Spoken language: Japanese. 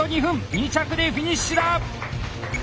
２着でフィニッシュだ！